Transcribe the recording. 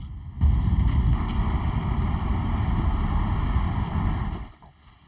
pembangunan di lombok santoso